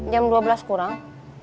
jam dua belas kurang